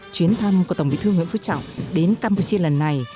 chuyến thăm của tổng bí thư nguyễn phú trọng đến campuchia lần này